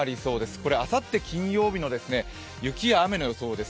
これ、あさって金曜日の雪や雨の予想です。